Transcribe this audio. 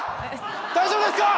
大丈夫ですか？